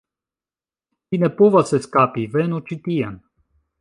Vi ne povas eskapi, venu ĉi tien!